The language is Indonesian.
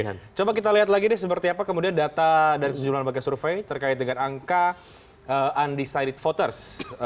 nah coba kita lihat lagi deh seperti apa kemudian data dari sejumlah lembaga survei terkait dengan angka undecided voters